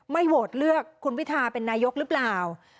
โหวตเลือกคุณพิทาเป็นนายกหรือเปล่า